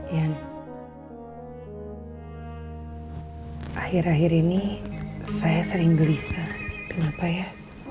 yang akhir akhir ini saya sering gelisah kenapa ya